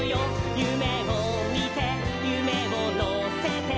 「ゆめをみてゆめをのせて」